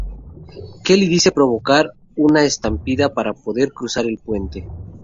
Kelly decide provocar una estampida para poder cruzar el puente.